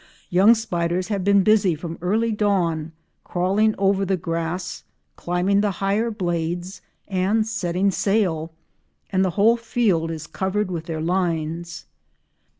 Young spiders have been busy from early dawn crawling over the grass, climbing the higher blades, and setting sail, and the whole field is covered with their lines.